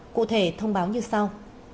cụ thể thông báo như sau